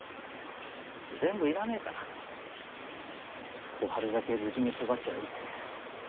全部要らねえから小春だけ無事に育ちゃあいいって。